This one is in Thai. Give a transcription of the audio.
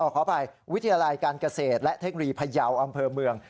ขออภัยวิทยาลัยการเกษตรและเทคโนโลยีพยาวอำเภอเมือง